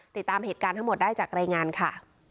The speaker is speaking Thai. ติดตามเหตุการณ์ทั้งหมดได้จากรายงานค่ะ